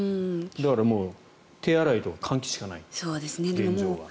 だから、手洗いとか換気しかない現状は。